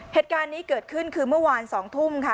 เหตุการณ์นี้เกิดขึ้นคือเมื่อวาน๒ทุ่มค่ะ